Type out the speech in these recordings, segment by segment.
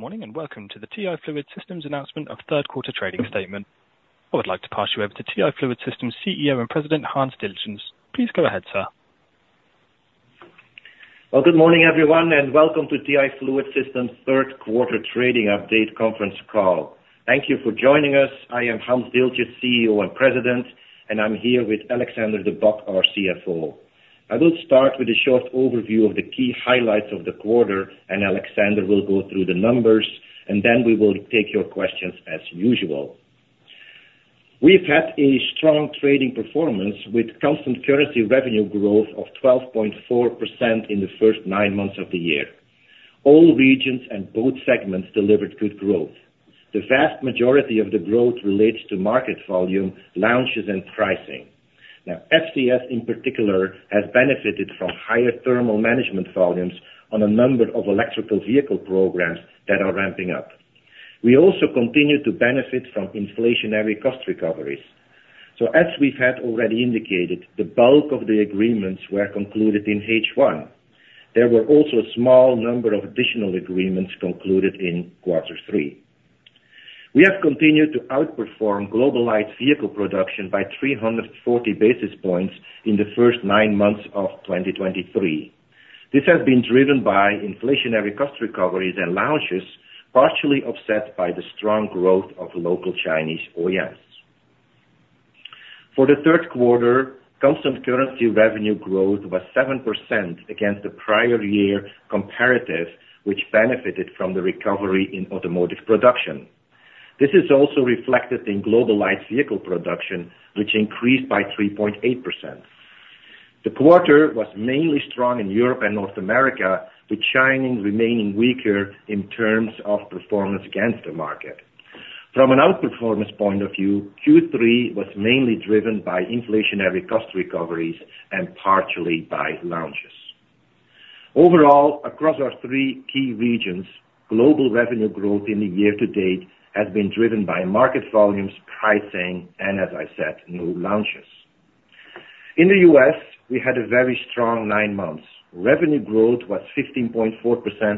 Good morning, and welcome to the TI Fluid Systems announcement of Q3 trading statement. I would like to pass you over to TI Fluid Systems CEO and President, Hans Dieltjens. Please go ahead, sir. Well, good morning, everyone, and welcome to TI Fluid Systems' Q3 trading update conference call. Thank you for joining us. I am Hans Dieltjens, CEO and President, and I'm here with Alexander De Bock, our CFO. I will start with a short overview of the key highlights of the quarter, and Alexander will go through the numbers, and then we will take your questions as usual. We've had a strong trading performance with constant currency revenue growth of 12.4% in the first nine months of the year. All regions and both segments delivered good growth. The vast majority of the growth relates to market volume, launches, and pricing. Now, FCS in particular, has benefited from higher thermal management volumes on a number of electrical vehicle programs that are ramping up. We also continue to benefit from inflationary cost recoveries. So as we've had already indicated, the bulk of the agreements were concluded in H1. There were also a small number of additional agreements concluded in quarter three. We have continued to outperform global light vehicle production by 340 basis points in the first nine months of 2023. This has been driven by inflationary cost recoveries and launches, partially offset by the strong growth of local Chinese OEMs. For the Q3, constant currency revenue growth was 7% against the prior year comparative, which benefited from the recovery in automotive production. This is also reflected in global light vehicle production, which increased by 3.8%. The quarter was mainly strong in Europe and North America, with China remaining weaker in terms of performance against the market. From an outperformance point of view, Q3 was mainly driven by inflationary cost recoveries and partially by launches. Overall, across our three key regions, global revenue growth in the year to date has been driven by market volumes, pricing, and as I said, new launches. In the U.S., we had a very strong nine months. Revenue growth was 15.4%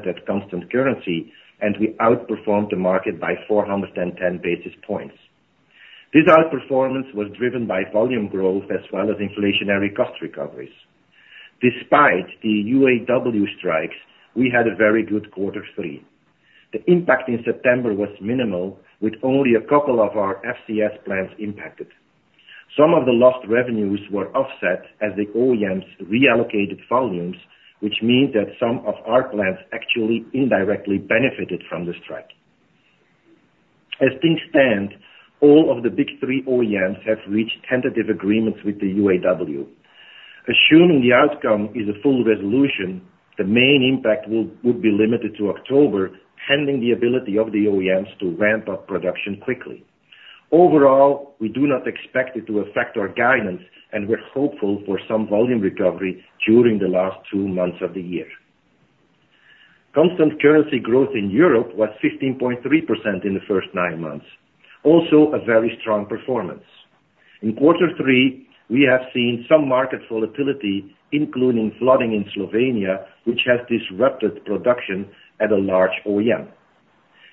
at constant currency, and we outperformed the market by 410 basis points. This outperformance was driven by volume growth as well as inflationary cost recoveries. Despite the UAW strikes, we had a very good quarter three. The impact in September was minimal, with only a couple of our FCS plants impacted. Some of the lost revenues were offset as the OEMs reallocated volumes, which means that some of our plants actually indirectly benefited from the strike. As things stand, all of the Big Three OEMs have reached tentative agreements with the UAW. Assuming the outcome is a full resolution, the main impact would be limited to October, pending the ability of the OEMs to ramp up production quickly. Overall, we do not expect it to affect our guidance, and we're hopeful for some volume recovery during the last two months of the year. Constant currency growth in Europe was 15.3% in the first nine months. Also, a very strong performance. In quarter three, we have seen some market volatility, including flooding in Slovenia, which has disrupted production at a large OEM.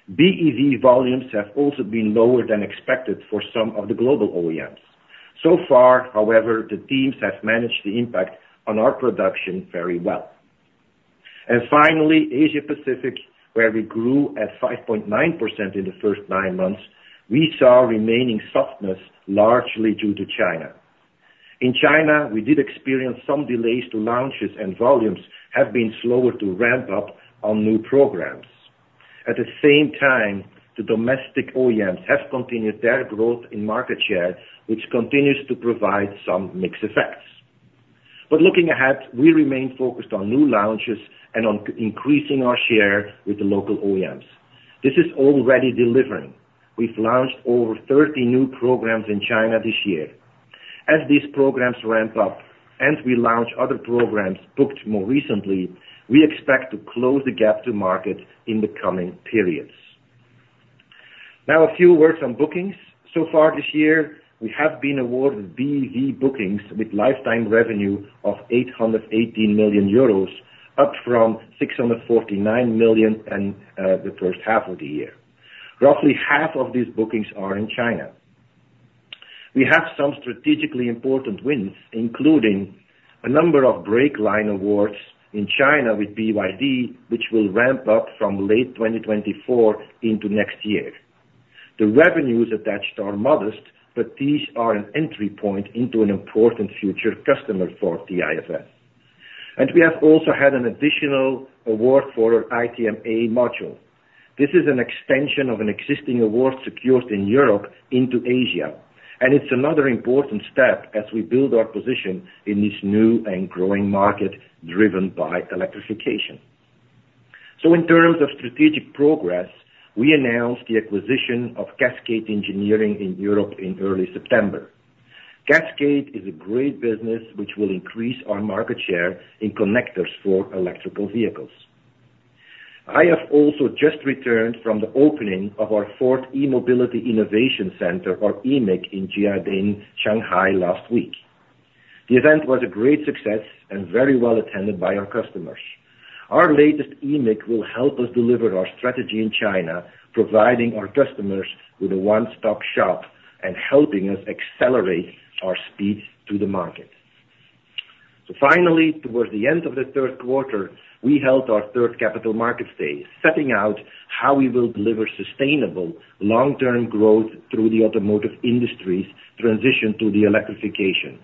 BEV volumes have also been lower than expected for some of the global OEMs. So far, however, the teams have managed the impact on our production very well. Finally, Asia Pacific, where we grew at 5.9% in the first nine months, we saw remaining softness, largely due to China. In China, we did experience some delays to launches, and volumes have been slower to ramp up on new programs. At the same time, the domestic OEMs have continued their growth in market share, which continues to provide some mixed effects. But looking ahead, we remain focused on new launches and on increasing our share with the local OEMs. This is already delivering. We've launched over 30 new programs in China this year. As these programs ramp up and we launch other programs booked more recently, we expect to close the gap to market in the coming periods. Now, a few words on bookings. So far this year, we have been awarded BEV bookings with lifetime revenue of 818 million euros, up from 649 million in the first half of the year. Roughly half of these bookings are in China. We have some strategically important wins, including a number of brake line awards in China with BYD, which will ramp up from late 2024 into next year. The revenues attached are modest, but these are an entry point into an important future customer for TIFS. We have also had an additional award for our ITMA module. This is an extension of an existing award secured in Europe into Asia, and it's another important step as we build our position in this new and growing market driven by electrification. So in terms of strategic progress, we announced the acquisition of Cascade Engineering Europe in early September. Cascade is a great business, which will increase our market share in connectors for electric vehicles. I have also just returned from the opening of our fourth e-Mobility Innovation Center or eMIC, in Jiading, Shanghai last week. The event was a great success and very well attended by our customers. Our latest eMIC will help us deliver our strategy in China, providing our customers with a one-stop shop and helping us accelerate our speed to the market. So finally, towards the end of the Q3, we held our third Capital Markets Day, setting out how we will deliver sustainable long-term growth through the automotive industry's transition to electrification,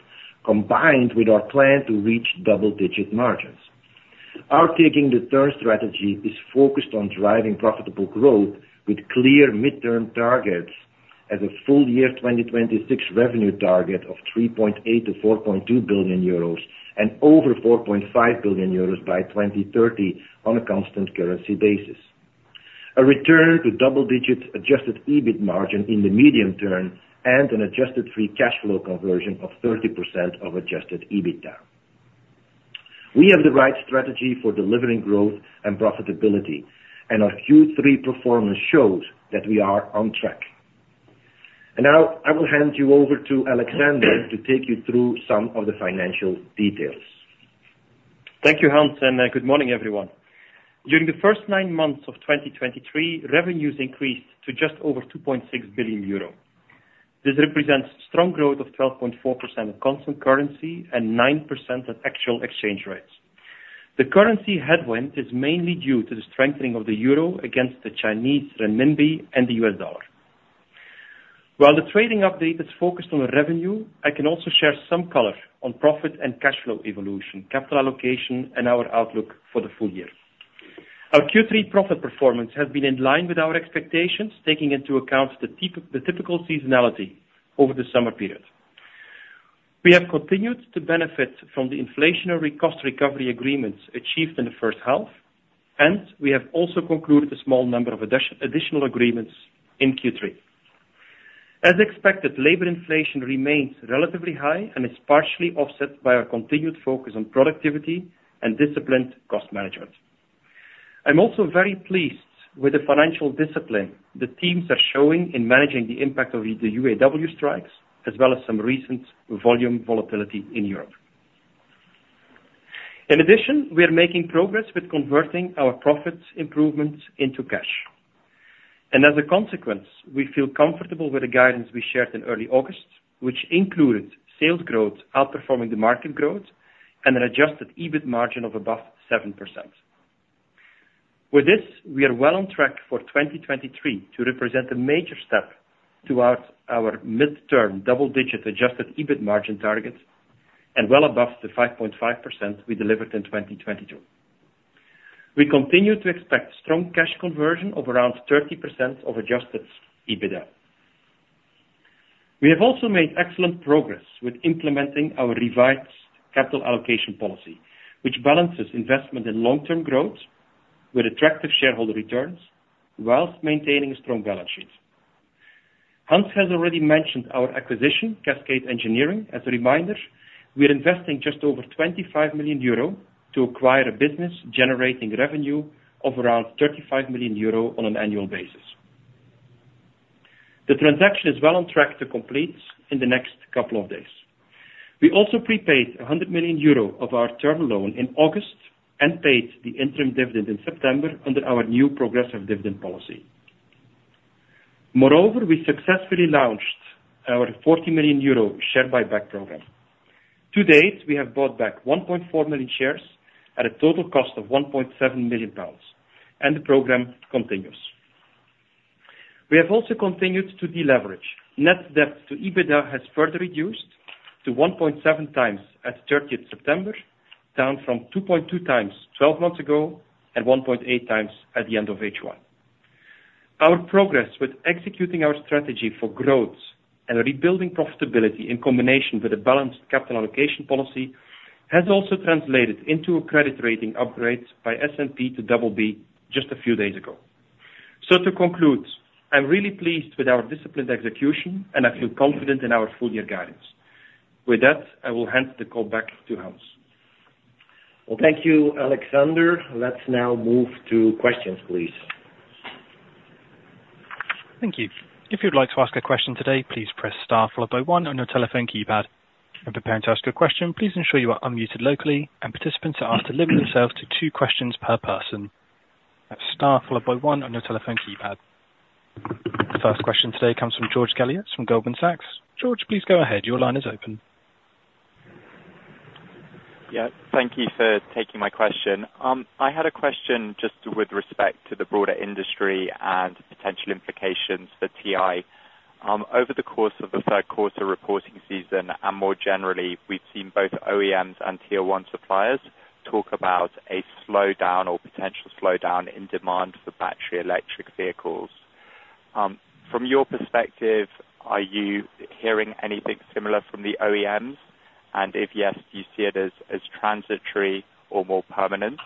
combined with our plan to reach double-digit margins. Our Taking the Turn strategy is focused on driving profitable growth with clear midterm targets as a full year 2026 revenue target of 3.8 billion-4.2 billion euros and over 4.5 billion euros by 2030 on a Constant Currency basis. A return to double-digit Adjusted EBIT margin in the medium term and an Adjusted Free Cash Flow conversion of 30% of adjusted EBITDA. We have the right strategy for delivering growth and profitability, and our Q3 performance showed that we are on track. And now, I will hand you over to Alexander to take you through some of the financial details. Thank you, Hans, and good morning, everyone. During the first nine months of 2023, revenues increased to just over 2.6 billion euro. This represents strong growth of 12.4% constant currency and 9% at actual exchange rates. The currency headwind is mainly due to the strengthening of the euro against the Chinese renminbi and the US dollar. While the trading update is focused on revenue, I can also share some color on profit and cash flow evolution, capital allocation, and our outlook for the full year. Our Q3 profit performance has been in line with our expectations, taking into account the typical seasonality over the summer period. We have continued to benefit from the inflationary cost recovery agreements achieved in the first half, and we have also concluded a small number of additional agreements in Q3. As expected, labor inflation remains relatively high and is partially offset by our continued focus on productivity and disciplined cost management. I'm also very pleased with the financial discipline the teams are showing in managing the impact of the UAW strikes, as well as some recent volume volatility in Europe. In addition, we are making progress with converting our profit improvements into cash. As a consequence, we feel comfortable with the guidance we shared in early August, which included sales growth outperforming the market growth and an Adjusted EBIT margin of above 7%. With this, we are well on track for 2023 to represent a major step towards our midterm double-digit Adjusted EBIT margin target and well above the 5.5% we delivered in 2022. We continue to expect strong cash conversion of around 30% of adjusted EBITDA. We have also made excellent progress with implementing our revised capital allocation policy, which balances investment in long-term growth with attractive shareholder returns while maintaining a strong balance sheet. Hans has already mentioned our acquisition, Cascade Engineering. As a reminder, we are investing just over 25 million euro to acquire a business generating revenue of around 35 million euro on an annual basis. The transaction is well on track to complete in the next couple of days. We also prepaid 100 million euro of our term loan in August and paid the interim dividend in September under our new progressive dividend policy. Moreover, we successfully launched our 40 million euro share buyback program. To date, we have bought back 1.4 million shares at a total cost of 1.7 million pounds, and the program continues. We have also continued to deleverage. Net debt to EBITDA has further reduced to 1.7 times as at 30 September, down from 2.2 times twelve months ago and 1.8 times at the end of H1. Our progress with executing our strategy for growth and rebuilding profitability in combination with a balanced capital allocation policy, has also translated into a credit rating upgrade by S&P to double B just a few days ago. To conclude, I'm really pleased with our disciplined execution, and I feel confident in our full year guidance. With that, I will hand the call back to Hans. Well, thank you, Alexander. Let's now move to questions, please. Thank you. If you'd like to ask a question today, please press star followed by one on your telephone keypad. When preparing to ask a question, please ensure you are unmuted locally and participants are asked to limit themselves to two questions per person. That's star followed by one on your telephone keypad. The first question today comes from George Galliers from Goldman Sachs. George, please go ahead. Your line is open. Yeah, thank you for taking my question. I had a question just with respect to the broader industry and potential implications for TI. Over the course of the Q3 reporting season, and more generally, we've seen both OEMs and Tier One suppliers talk about a slowdown or potential slowdown in demand for battery electric vehicles. From your perspective, are you hearing anything similar from the OEMs? And if yes, do you see it as, as transitory or more permanent?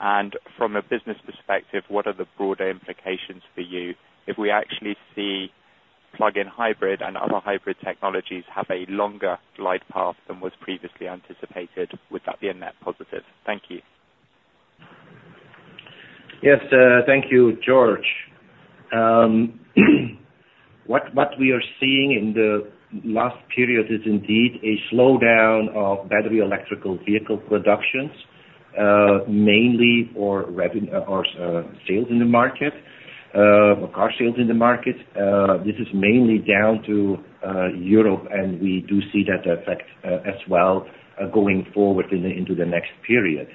And from a business perspective, what are the broader implications for you if we actually see plug-in hybrid and other hybrid technologies have a longer glide path than was previously anticipated, would that be a net positive? Thank you.... Yes, thank you, George. What we are seeing in the last period is indeed a slowdown of battery electric vehicle productions, mainly for revenue or sales in the market, or car sales in the market. This is mainly down to Europe, and we do see that effect as well, going forward into the next period.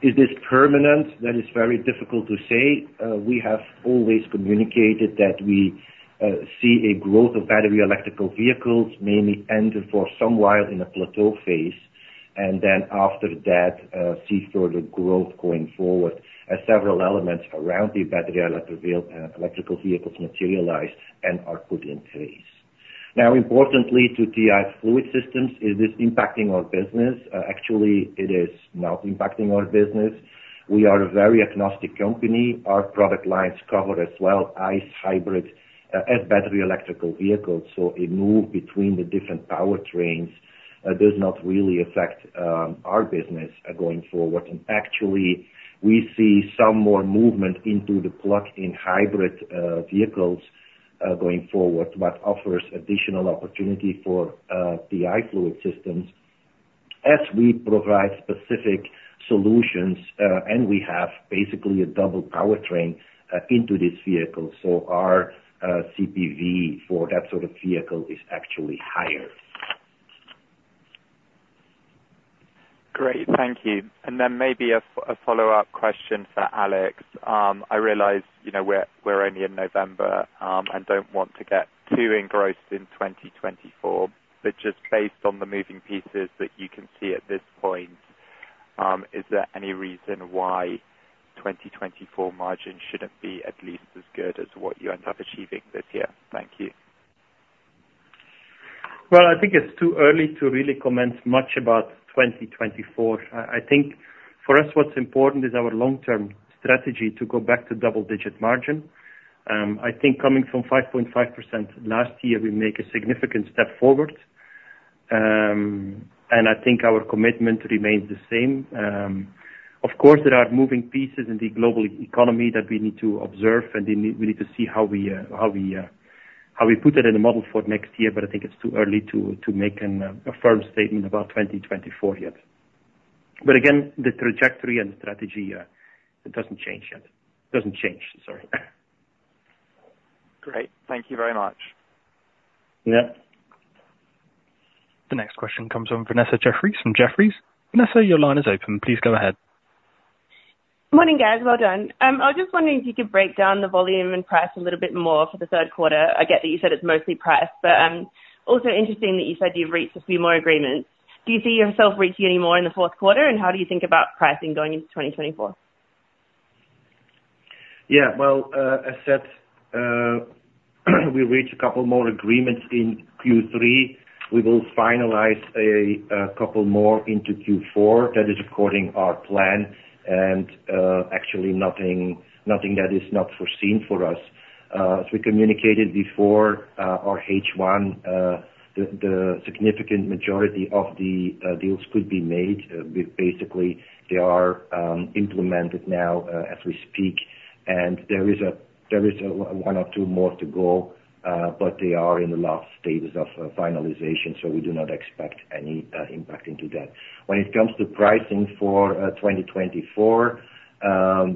Is this permanent? That is very difficult to say. We have always communicated that we see a growth of battery electric vehicles, mainly end for some while in a plateau phase, and then after that, see further growth going forward as several elements around the battery electric vehicles materialize and are put in place. Now, importantly to TI Fluid Systems, is this impacting our business? Actually, it is not impacting our business. We are a very agnostic company. Our product lines cover as well, ICE, hybrid, and battery electric vehicles, so a move between the different power trains does not really affect our business going forward. Actually, we see some more movement into the plug-in hybrid vehicles going forward, what offers additional opportunity for TI Fluid Systems, as we provide specific solutions, and we have basically a double powertrain into this vehicle. So our CPV for that sort of vehicle is actually higher. Great. Thank you. And then maybe a follow-up question for Alex. I realize, you know, we're only in November, and don't want to get too engrossed in 2024, but just based on the moving pieces that you can see at this point, is there any reason why 2024 margins shouldn't be at least as good as what you end up achieving this year? Thank you. Well, I think it's too early to really comment much about 2024. I think for us, what's important is our long-term strategy to go back to double-digit margin. I think coming from 5.5% last year, we make a significant step forward, and I think our commitment remains the same. Of course, there are moving pieces in the global economy that we need to observe, and then we need to see how we put it in a model for next year, but I think it's too early to make a firm statement about 2024 yet. But again, the trajectory and strategy, it doesn't change yet. It doesn't change, sorry. Great. Thank you very much. Yeah. The next question comes from Vanessa Jeffries from Jefferies. Vanessa, your line is open. Please go ahead. Morning, guys. Well done. I was just wondering if you could break down the volume and price a little bit more for the Q3. I get that you said it's mostly price, but, also interesting that you said you've reached a few more agreements. Do you see yourself reaching any more in the Q4, and how do you think about pricing going into 2024? Yeah, well, as said, we reached a couple more agreements in Q3. We will finalize a couple more into Q4. That is according our plan, and actually nothing that is not foreseen for us. As we communicated before, our H1, the significant majority of the deals could be made. Basically, they are implemented now, as we speak, and there is a one or two more to go, but they are in the last stages of finalization, so we do not expect any impact into that. When it comes to pricing for 2024,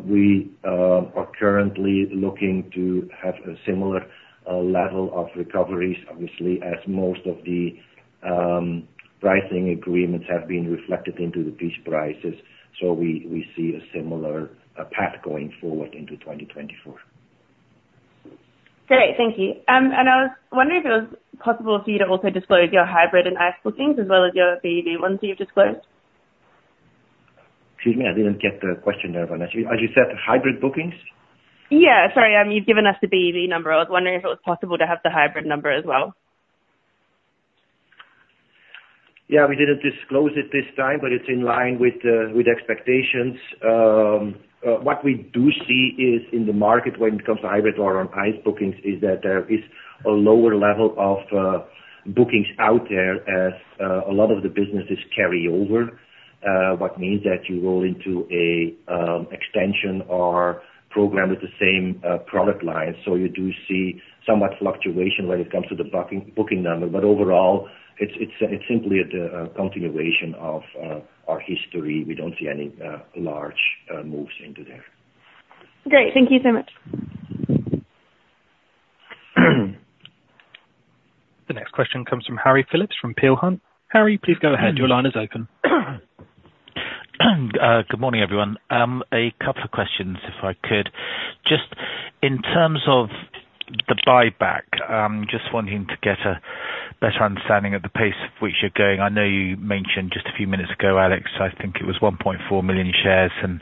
we are currently looking to have a similar level of recoveries, obviously, as most of the pricing agreements have been reflected into the piece prices. So we see a similar path going forward into 2024. Great. Thank you. And I was wondering if it was possible for you to also disclose your hybrid and ICE bookings, as well as your BEV ones that you've disclosed? Excuse me, I didn't get the question there, Vanessa. As you said, hybrid bookings? Yeah. Sorry, you've given us the BEV number. I was wondering if it was possible to have the hybrid number as well. Yeah, we didn't disclose it this time, but it's in line with with expectations. What we do see is, in the market, when it comes to hybrid or on-ICE bookings, is that there is a lower level of bookings out there as a lot of the businesses carry over what means that you roll into a extension or program with the same product line. So you do see somewhat fluctuation when it comes to the booking number, but overall it's simply the continuation of our history. We don't see any large moves into there. Great. Thank you so much. The next question comes from Harry Phillips, from Peel Hunt. Harry, please go ahead. Your line is open. Good morning, everyone. A couple of questions, if I could. Just in terms of the buyback, just wanting to get a better understanding of the pace at which you're going. I know you mentioned just a few minutes ago, Alex, I think it was 1.4 million shares and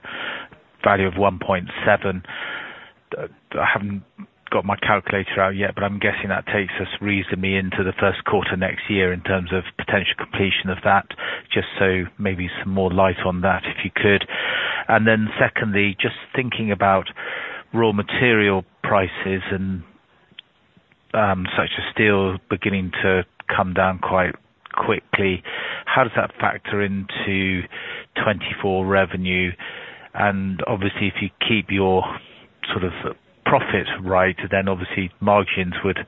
value of 1.7 million. I haven't got my calculator out yet, but I'm guessing that takes us reasonably into the Q1 next year, in terms of potential completion of that. Just so maybe some more light on that, if you could. And then secondly, just thinking about raw material prices, such as steel beginning to come down quite quickly, how does that factor into 2024 revenue? Obviously, if you keep your sort of profit right, then obviously margins would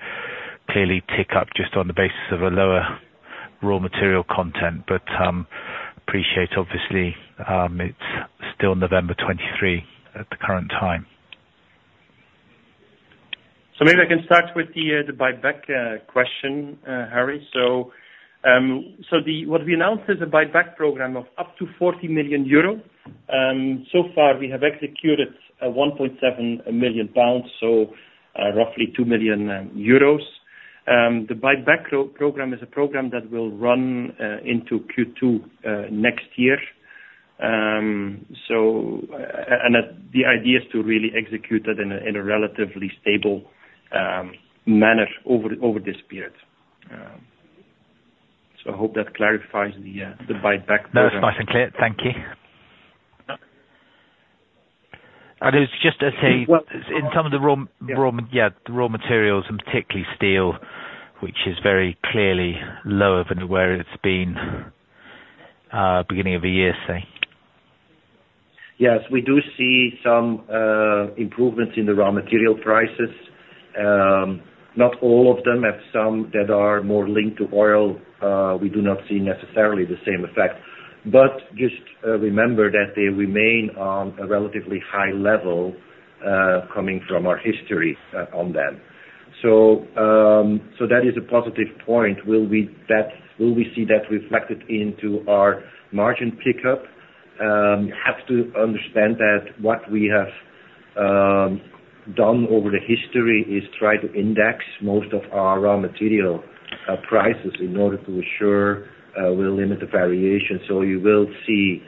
clearly tick up just on the basis of a lower raw material content. But, appreciate, obviously, it's still November 2023 at the current time. So maybe I can start with the buyback question, Harry. So what we announced is a buyback program of up to 40 million euro. So far, we have executed 1.7 million pounds, so roughly 2 million euros. The buyback program is a program that will run into Q2 next year. And the idea is to really execute it in a relatively stable manner over this period. So I hope that clarifies the buyback program. That's nice and clear. Thank you. And it's just, I say, in some of the raw materials, and particularly steel, which is very clearly lower than where it's been, beginning of the year, say. Yes, we do see some improvements in the raw material prices. Not all of them have some that are more linked to oil; we do not see necessarily the same effect. But just remember that they remain on a relatively high level, coming from our history on them. So, so that is a positive point. Will we see that reflected into our margin pickup? You have to understand that what we have done over the history is try to index most of our raw material prices in order to ensure we limit the variation. So you will see,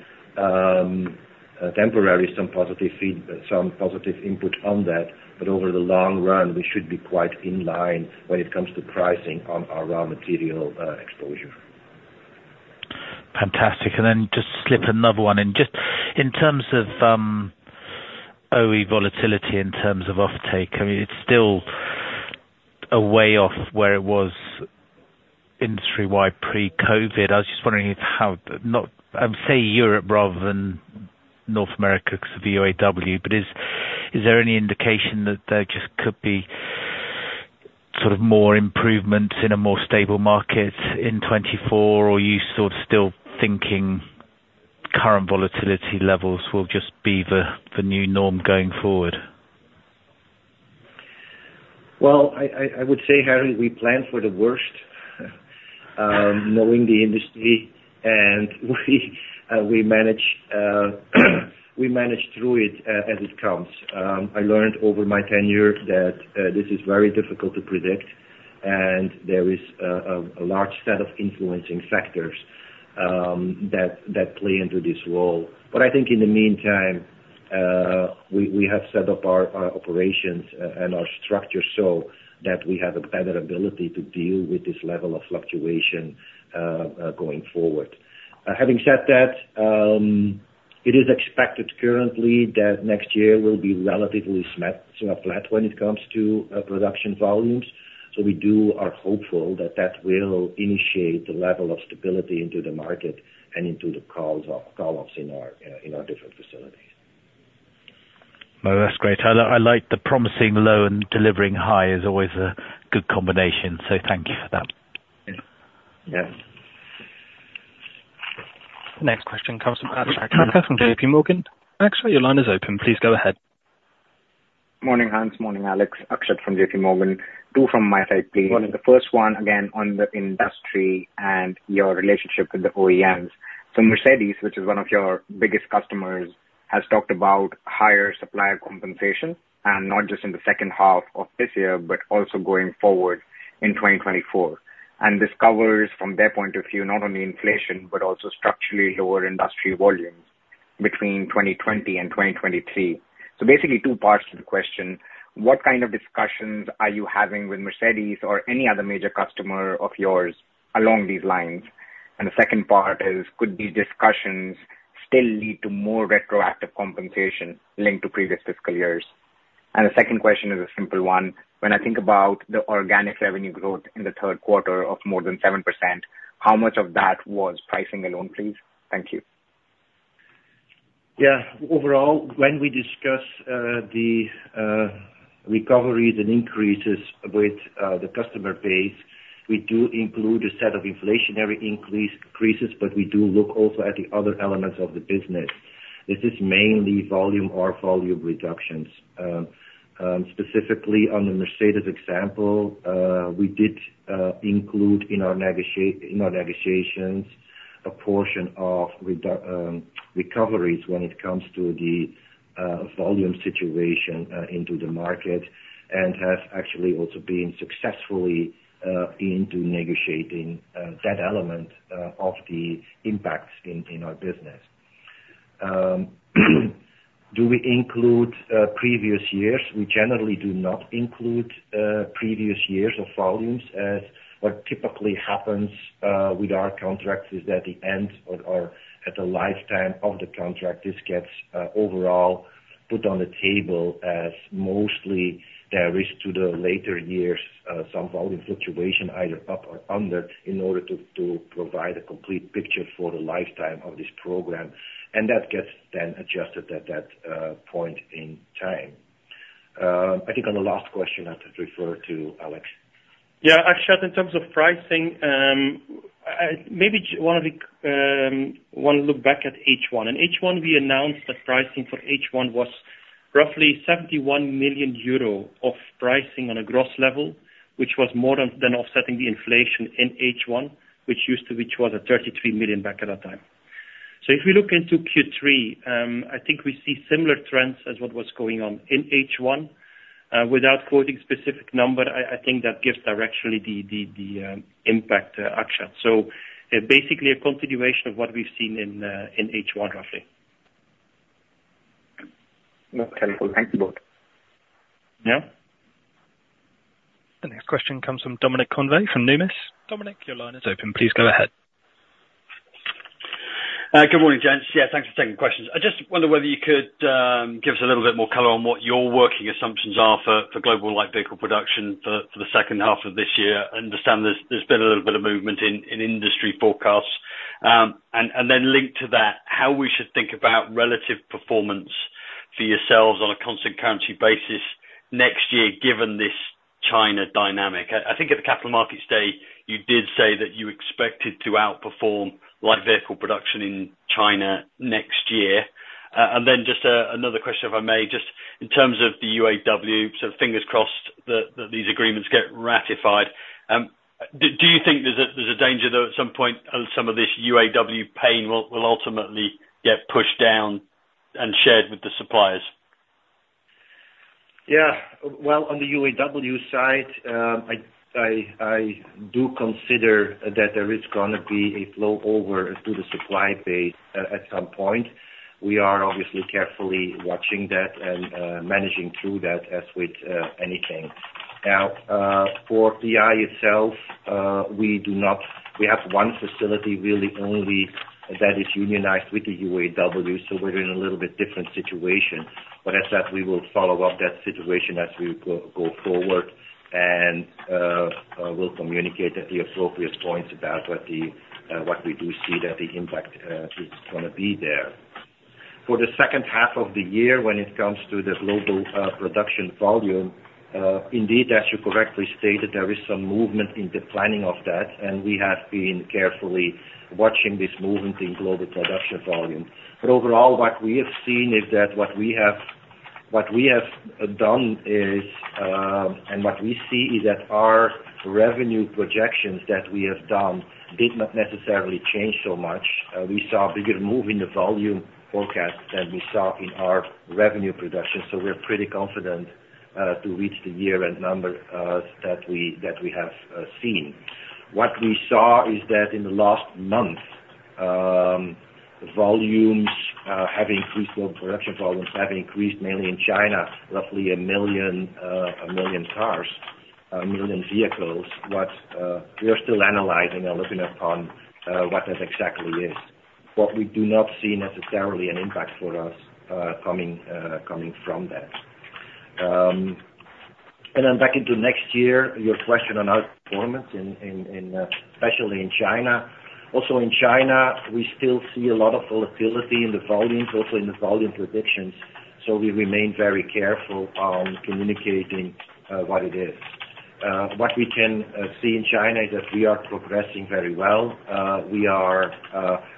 temporarily, some positive input on that, but over the long run, we should be quite in line when it comes to pricing on our raw material exposure. Fantastic. And then just slip another one in. Just in terms of OE volatility, in terms of offtake, I mean, it's still a way off where it was industry-wide pre-COVID. I was just wondering how, not, say Europe rather than North America, because of the UAW, but is there any indication that there just could be sort of more improvements in a more stable market in 2024, or are you sort of still thinking current volatility levels will just be the new norm going forward? Well, I would say, Harry, we plan for the worst, knowing the industry, and we manage through it, as it comes. I learned over my tenure that this is very difficult to predict, and there is a large set of influencing factors that play into this role. But I think in the meantime, we have set up our operations and our structure so that we have a better ability to deal with this level of fluctuation going forward. Having said that, it is expected currently that next year will be relatively flat when it comes to production volumes. So we do... are hopeful that that will initiate the level of stability into the market and into the call-offs in our, in our different facilities. Well, that's great. I like the promising low and delivering high is always a good combination, so thank you for that. Yeah. Next question comes from Akshat Kacker from JP Morgan. Akshat, your line is open. Please go ahead. Morning, Hans. Morning, Alex. Akshat from JP Morgan. Two from my side, please. Morning. The first one, again, on the industry and your relationship with the OEMs. So Mercedes, which is one of your biggest customers, has talked about higher supplier compensation, and not just in the second half of this year, but also going forward in 2024. And this covers, from their point of view, not only inflation, but also structurally lower industry volumes between 2020 and 2023. So basically, two parts to the question: What kind of discussions are you having with Mercedes or any other major customer of yours along these lines? And the second part is, could these discussions still lead to more retroactive compensation linked to previous fiscal years? And the second question is a simple one. When I think about the organic revenue growth in the Q3 of more than 7%, how much of that was pricing alone, please? Thank you. Yeah. Overall, when we discuss the recoveries and increases with the customer base, we do include a set of inflationary increases, but we do look also at the other elements of the business. This is mainly volume or volume reductions. Specifically on the Mercedes example, we did include in our negotiations a portion of reduction recoveries when it comes to the volume situation into the market, and has actually also been successful in negotiating that element of the impacts in our business. Do we include previous years? We generally do not include previous years of volumes, as what typically happens with our contracts is at the end or, or at the lifetime of the contract, this gets overall put on the table as mostly there is to the later years some volume fluctuation, either up or under, in order to, to provide a complete picture for the lifetime of this program. And that gets then adjusted at that point in time. I think on the last question, I have to refer to Alex. Yeah, Akshat, in terms of pricing, maybe just wanna look back at H1. In H1, we announced that pricing for H1 was roughly 71 million euro of pricing on a gross level, which was more than offsetting the inflation in H1, which was 33 million back at that time. So if we look into Q3, I think we see similar trends as what was going on in H1. Without quoting specific number, I think that gives directionally the impact, Akshat. So basically, a continuation of what we've seen in H1, roughly. Okay, cool. Thank you both. Yeah. The next question comes from Dominic Convey from Numis. Dominic, your line is open. Please go ahead. Good morning, gents. Yeah, thanks for taking the questions. I just wonder whether you could give us a little bit more color on what your working assumptions are for global light vehicle production for the second half of this year. I understand there's been a little bit of movement in industry forecasts. And then linked to that, how we should think about relative performance for yourselves on a constant currency basis next year, given this China dynamic? I think at the Capital Markets Day, you did say that you expected to outperform light vehicle production in China next year. And then just another question, if I may, just in terms of the UAW, so fingers crossed that these agreements get ratified. Do you think there's a danger, though, at some point, some of this UAW pain will ultimately get pushed down and shared with the suppliers? Yeah. Well, on the UAW side, I do consider that there is gonna be a flow over to the supply base at some point. We are obviously carefully watching that and managing through that, as with anything. Now, for TI itself, we do not. We have one facility really only, that is unionized with the UAW, so we're in a little bit different situation. But as such, we will follow up that situation as we go forward, and we'll communicate at the appropriate points about what we do see that the impact is gonna be there. For the second half of the year, when it comes to the global production volume, indeed, as you correctly stated, there is some movement in the planning of that, and we have been carefully watching this movement in global production volume. But overall, what we have seen is that what we have done is, and what we see is that our revenue projections that we have done did not necessarily change so much. We saw a bigger move in the volume forecast than we saw in our revenue production, so we're pretty confident to reach the year-end number that we have seen. What we saw is that in the last month, volumes have increased, well, production volumes have increased mainly in China, roughly 1 million cars, 1 million vehicles. But we are still analyzing and looking upon what that exactly is. But we do not see necessarily an impact for us coming from that. And then back into next year, your question on our in especially in China. Also in China, we still see a lot of volatility in the volumes, also in the volume predictions, so we remain very careful on communicating what it is. What we can see in China is that we are progressing very well. We are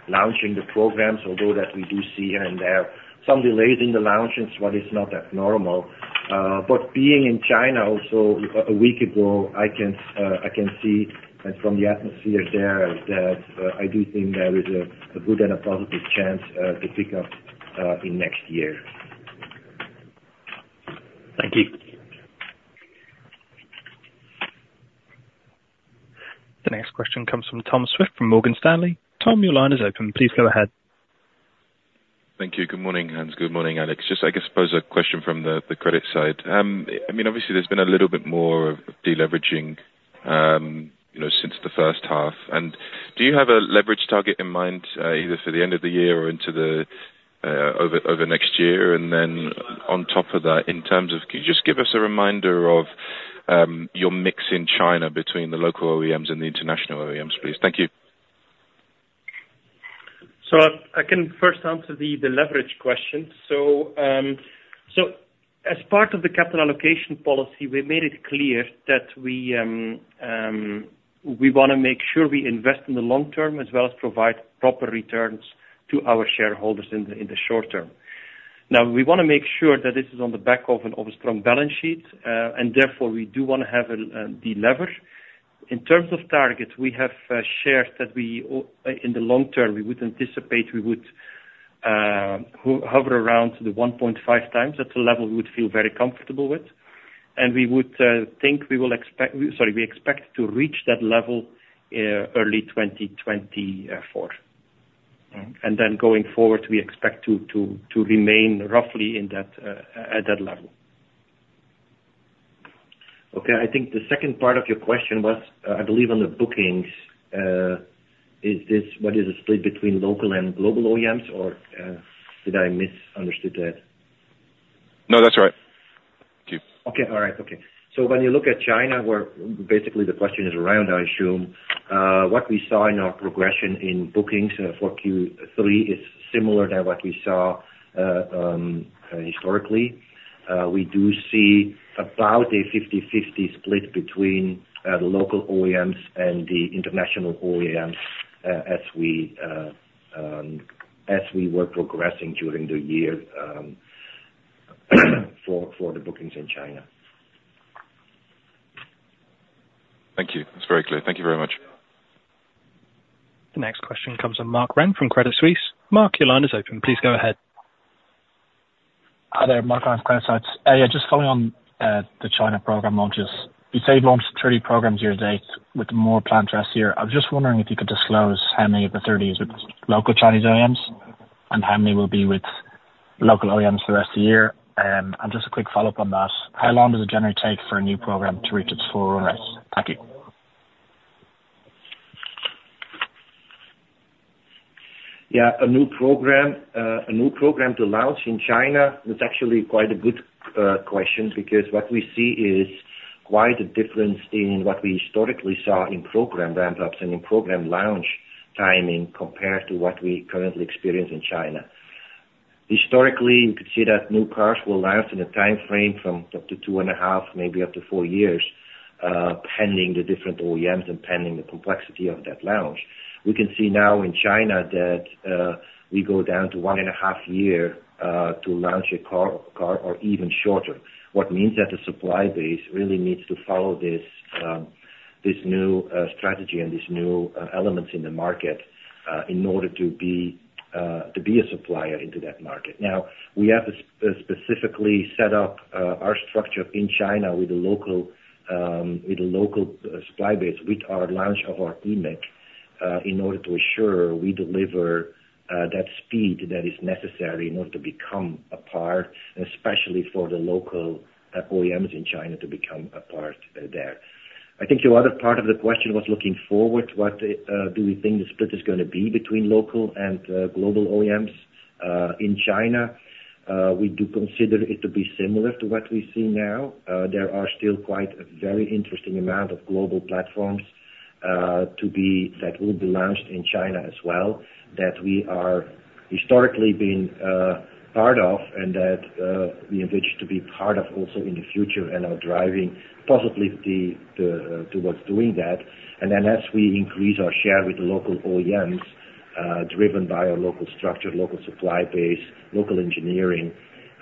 launching the programs, although that we do see here and there some delays in the launches, but it's not that normal. But being in China also a week ago, I can see that from the atmosphere there, that I do think there is a good and a positive chance to pick up in next year. Thank you. The next question comes from Tom Swift, from Morgan Stanley. Tom, your line is open. Please go ahead. Thank you. Good morning, Hans. Good morning, Alex. Just I guess pose a question from the credit side. I mean, obviously, there's been a little bit more of deleveraging, you know, since the first half. And do you have a leverage target in mind, either for the end of the year or into the over next year? And then on top of that, in terms of... Can you just give us a reminder of your mix in China between the local OEMs and the international OEMs, please? Thank you. So I can first answer the leverage question. So, as part of the capital allocation policy, we made it clear that we wanna make sure we invest in the long term, as well as provide proper returns to our shareholders in the short term. Now, we wanna make sure that this is on the back of a strong balance sheet, and therefore, we do wanna have a deleverage. In terms of targets, we have shared that we, in the long term, we would anticipate we would hover around the 1.5x. That's a level we would feel very comfortable with. ... And we would think we will expect, sorry, we expect to reach that level early 2024. Mm-hmm. And then going forward, we expect to remain roughly in that at that level. Okay, I think the second part of your question was, I believe on the bookings. Is this, what is the split between local and global OEMs? Or did I misunderstood that? No, that's right. Thank you. Okay, all right. Okay. So when you look at China, where basically the question is around, I assume, what we saw in our progression in bookings for Q3 is similar to what we saw historically. We do see about a 50/50 split between the local OEMs and the international OEMs as we as we were progressing during the year for the bookings in China. Thank you. It's very clear. Thank you very much. The next question comes from Mark Wren from Credit Suisse. Mark, your line is open. Please go ahead. Hi there, Mark Wren from Credit Suisse. Yeah, just following on the China program launches. You say you launched 30 programs year to date with more planned for this year. I was just wondering if you could disclose how many of the 30 is with local Chinese OEMs, and how many will be with local OEMs for the rest of the year? And just a quick follow-up on that, how long does it generally take for a new program to reach its full run rate? Thank you. Yeah, a new program to launch in China, that's actually quite a good question, because what we see is quite a difference in what we historically saw in program ramp-ups and in program launch timing, compared to what we currently experience in China. Historically, you could see that new cars will last in a timeframe from up to 2.5, maybe up to 4 years, pending the different OEMs and pending the complexity of that launch. We can see now in China that we go down to 1.5 year to launch a car or even shorter. What means that the supply base really needs to follow this this new strategy and these new elements in the market in order to be to be a supplier into that market. Now, we have to specifically set up our structure in China with the local, with the local, supply base, with our launch of our eMIC, in order to ensure we deliver that speed that is necessary in order to become a part, especially for the local, OEMs in China to become a part there. I think your other part of the question was looking forward, what, do we think the split is gonna be between local and, global OEMs? In China, we do consider it to be similar to what we see now. There are still quite a very interesting amount of global platforms, to be... that will be launched in China as well, that we are historically been part of, and that we envisage to be part of also in the future, and are driving possibly towards doing that. And then as we increase our share with the local OEMs, driven by our local structure, local supply base, local engineering,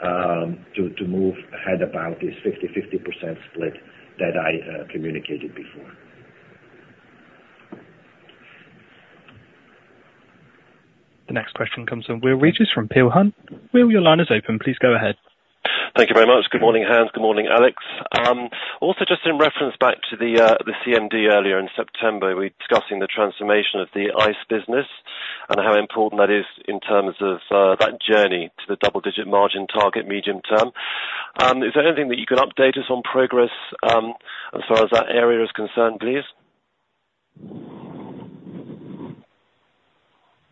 to move ahead about this 50/50% split that I communicated before. The next question comes from Will Rigg from Peel Hunt. Will, your line is open. Please go ahead. Thank you very much. Good morning, Hans. Good morning, Alex. Also just in reference back to the CMD earlier in September, we were discussing the transformation of the ICE business and how important that is in terms of that journey to the double-digit margin target medium term. Is there anything that you can update us on progress as far as that area is concerned, please?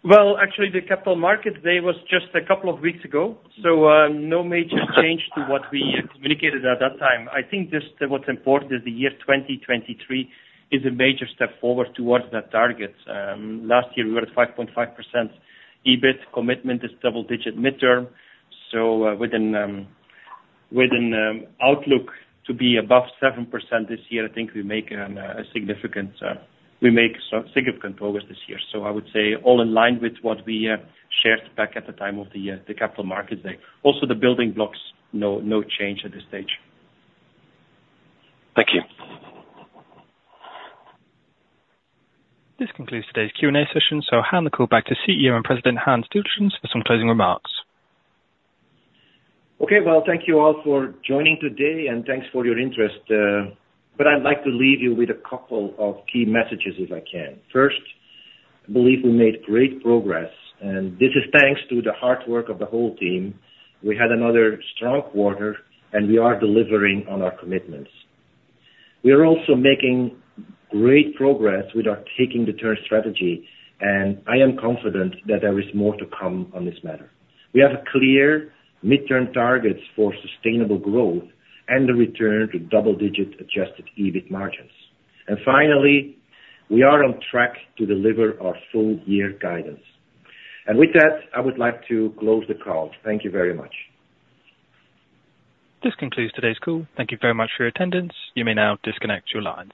Well, actually, the Capital Markets Day was just a couple of weeks ago, so no major change to what we communicated at that time. I think just what's important is the year 2023 is a major step forward towards that target. Last year we were at 5.5%, EBIT commitment is double-digit mid-term, so within outlook to be above 7% this year, I think we make a significant, we make some significant progress this year. So I would say all in line with what we shared back at the time of the Capital Markets Day. Also, the building blocks, no change at this stage. Thank you. This concludes today's Q&A session. So I'll hand the call back to CEO and President, Hans Dieltjens, for some closing remarks. Okay. Well, thank you all for joining today, and thanks for your interest, but I'd like to leave you with a couple of key messages, if I can. First, I believe we made great progress, and this is thanks to the hard work of the whole team. We had another strong quarter, and we are delivering on our commitments. We are also making great progress with our Taking the Turn strategy, and I am confident that there is more to come on this matter. We have a clear mid-term targets for sustainable growth and the return to double-digit Adjusted EBIT margins. Finally, we are on track to deliver our full year guidance. And with that, I would like to close the call. Thank you very much. This concludes today's call. Thank you very much for your attendance. You may now disconnect your lines.